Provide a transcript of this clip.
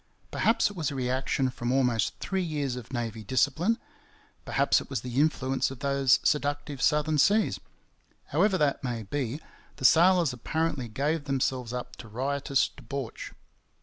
Perhaps it was a reaction from almost three years of navy discipline; perhaps it was the influence of those seductive southern seas; however that may be, the sailors apparently gave themselves up to riotous debauch.